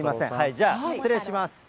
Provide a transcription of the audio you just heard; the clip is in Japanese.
じゃあ、失礼します。